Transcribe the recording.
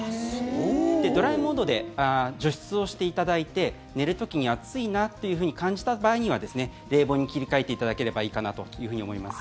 ドライモードで除湿をしていただいて寝る時に暑いなっていうふうに感じた場合には冷房に切り替えていただければいいかなというふうに思います。